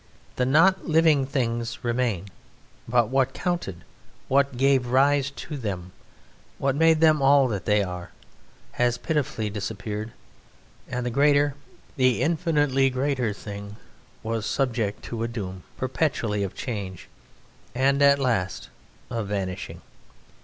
The not living things remain; but what counted, what gave rise to them, what made them all that they are, has pitifully disappeared, and the greater, the infinitely greater, thing was subject to a doom perpetually of change and at last of vanishing.